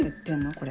これ。